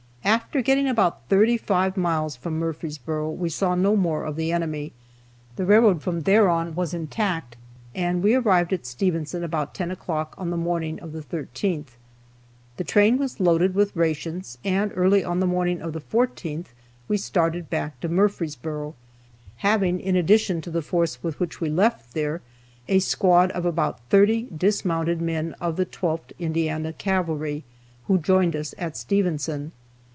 After getting about thirty five miles from Murfreesboro we saw no more of the enemy, the railroad from thereon was intact, and we arrived at Stevenson about 10 o'clock on the morning of the 13th. The train was loaded with rations and early on the morning of the 14th we started back to Murfreesboro, having in addition to the force with which we left there, a squad of about thirty dismounted men of the 12th Indiana Cavalry, who joined us at Stevenson.